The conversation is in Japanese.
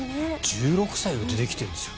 １６歳が出てきてるんですよ。